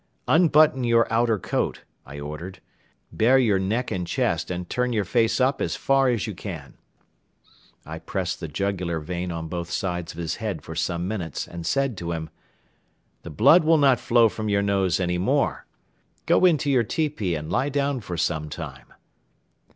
"Unbutton your outer coat," I ordered, "bare your neck and chest and turn your face up as far as you can." I pressed the jugular vein on both sides of his head for some minutes and said to him: "The blood will not flow from your nose any more. Go into your tepee and lie down for some time."